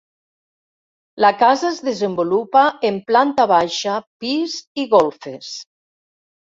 La casa es desenvolupa en planta baixa, pis i golfes.